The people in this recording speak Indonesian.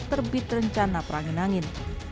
terbit rencana perangin angin